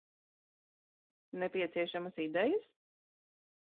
Nepieciešamas idejas?